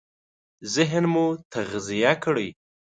ذهن مو تغذيه کړئ!